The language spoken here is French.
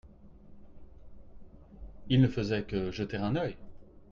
il ne faisait que jeter un œil.